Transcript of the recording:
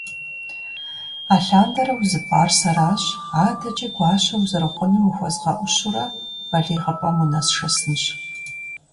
Алъандэрэ узыпӀар сэращ, адэкӀи гуащэ узэрыхъуным ухуэзгъэӀущурэ балигъыпӀэм унэсшэсынщ.